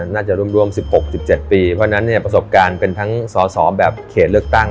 น่าจะรวม๑๖๑๗ปีเพราะฉะนั้นเนี่ยประสบการณ์เป็นทั้งสอสอแบบเขตเลือกตั้ง